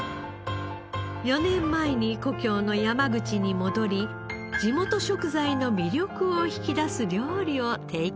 ４年前に故郷の山口に戻り地元食材の魅力を引き出す料理を提供しています。